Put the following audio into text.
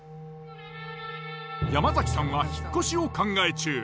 山崎さんは引っ越しを考え中。